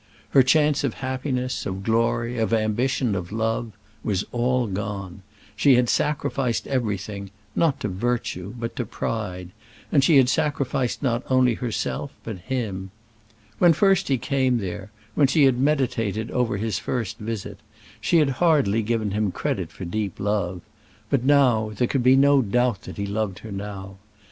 Her chance of happiness, of glory, of ambition, of love, was all gone. She had sacrificed everything, not to virtue, but to pride; and she had sacrificed not only herself, but him. When first he came there when she had meditated over his first visit she had hardly given him credit for deep love; but now there could be no doubt that he loved her now.